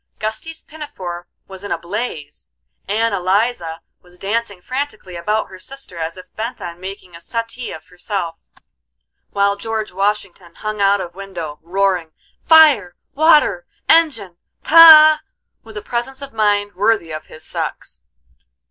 Gusty's pinafore was in a blaze; Ann Eliza was dancing frantically about her sister as if bent on making a suttee of herself, while George Washington hung out of window, roaring, "Fire!" "water!" "engine!" "pa!" with a presence of mind worthy of his sex.